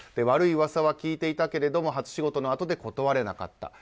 悪い噂は聞いていたけれども初仕事のあとで断れなかった。